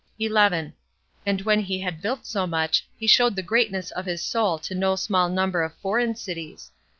11. And when he had built so much, he showed the greatness of his soul to no small number of foreign cities.